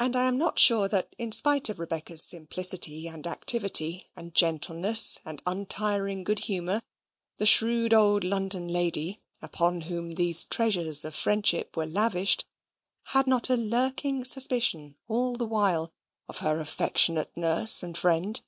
And I am not sure that, in spite of Rebecca's simplicity and activity, and gentleness and untiring good humour, the shrewd old London lady, upon whom these treasures of friendship were lavished, had not a lurking suspicion all the while of her affectionate nurse and friend.